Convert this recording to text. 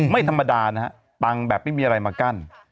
ไม่ธรรมดานะฮะปังแบบไม่มีอะไรมากั้น